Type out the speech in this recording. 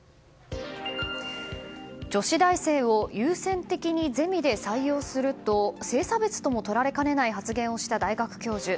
女子大生を優先的にゼミで採用すると性差別ともとられかねない発言をした大学教授。